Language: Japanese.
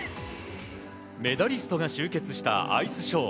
メダリストが集結したアイスショー。